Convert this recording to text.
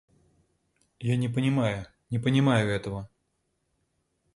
Я не понимаю, не понимаю этого!